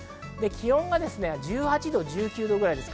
気温が１８度、１９度ぐらいです。